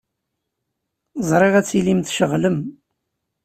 Ẓriɣ ad tilim tceɣlem.